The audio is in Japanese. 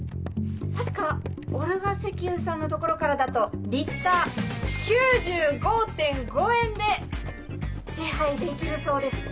確かオルガ石油さんのところからだとリッター９５．５円で手配できるそうです。